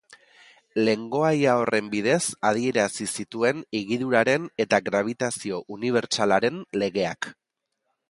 Lengoaia horren bidez adierazi zituen higiduraren eta grabitazio unibertsalaren legeak.